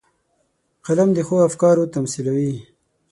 قلم د ښو افکارو تمثیلوي